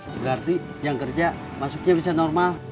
berarti yang kerja masuknya bisa normal